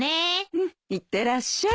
うんいってらっしゃい。